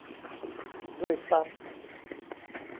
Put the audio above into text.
ด้วยซ้ำ